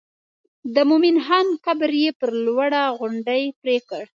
د مومن خان قبر یې پر لوړه غونډۍ پرېکړ.